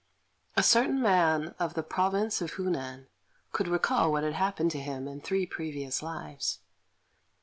A certain man of the province of Hunan could recall what had happened to him in three previous lives.